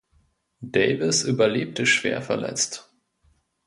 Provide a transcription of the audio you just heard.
Davis überlebte schwer verletzt.